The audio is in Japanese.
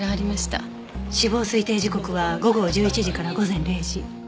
死亡推定時刻は午後１１時から午前０時。